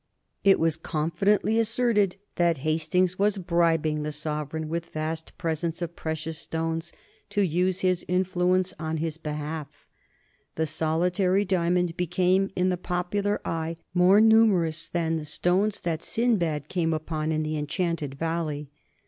It was confidently asserted that Hastings was bribing the Sovereign with vast presents of precious stones to use his influence in his behalf. The solitary diamond became in the popular eye more numerous than the stones that Sinbad came upon in the enchanted valley.